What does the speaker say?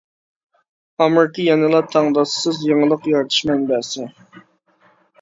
ئامېرىكا يەنىلا تەڭداشسىز يېڭىلىق يارىتىش مەنبەسى.